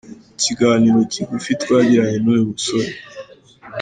Mu kiganiro kigufi twagiranye n’uyu musore.